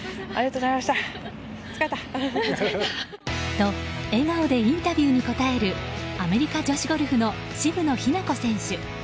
と、笑顔でインタビューに答えるアメリカ女子ゴルフの渋野日向子選手。